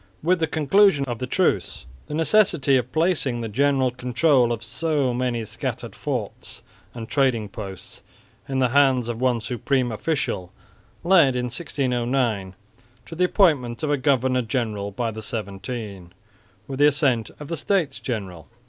With the conclusion of the truce the necessity of placing the general control of so many scattered forts and trading posts in the hands of one supreme official led, in 1609, to the appointment of a governor general by the Seventeen with the assent of the States General.